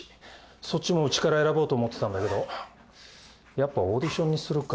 そっちもうちから選ぼうと思ってたんだけどやっぱオーディションにするか。